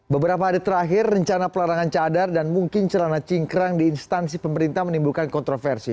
beberapa hari terakhir rencana pelarangan cadar dan mungkin celana cingkrang di instansi pemerintah menimbulkan kontroversi